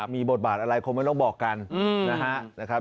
มีบทบาทอะไรคงไม่ต้องบอกกันนะครับ